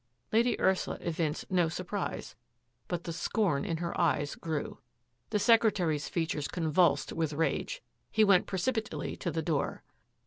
Lady Ursula evinced no surprise, but the scorn in her eyes grew. The secretary's features convulsed with rage. He went precipitately to the door.